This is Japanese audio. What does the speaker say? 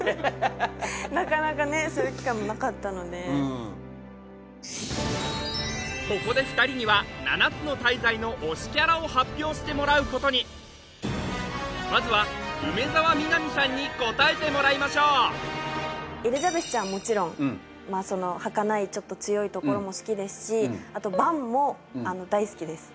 なかなかねそういう機会もなかったのでここで２人には「七つの大罪」の推しキャラを発表してもらうことにまずは梅澤美波さんに答えてもらいましょうエリザベスちゃんはもちろんまあその儚いちょっと強いところも好きですしあとバンも大好きです